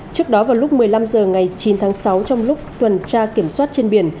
trước đó vào lúc một mươi năm h ngày chín tháng sáu trong lúc tuần tra kiểm soát trên biển